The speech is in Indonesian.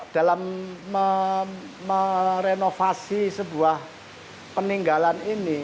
dalam merenovasi sebuah peninggalan ini